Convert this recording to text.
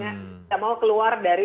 kita mau keluar dari